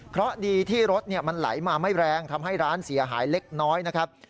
เพราะดีที่รถมันไหลมาไม่แรงทำให้ร้านเสียหายเล็กน้อยนะครับ